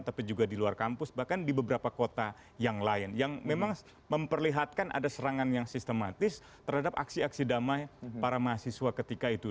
tapi juga di luar kampus bahkan di beberapa kota yang lain yang memang memperlihatkan ada serangan yang sistematis terhadap aksi aksi damai para mahasiswa ketika itu